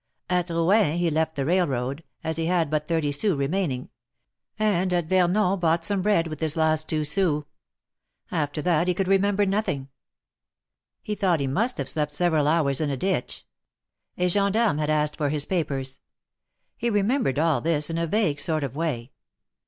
At Rouen he left the railroad, as he had but thirty sons remaining; and at Yernon bought some bread with his last two sous. After that he could remember nothing. 26 THE MARKETS OF PARIS. He thought he must have slept several hours in a ditch. A Gendarme had asked for his papers. He remembered all this in a vague sort of way.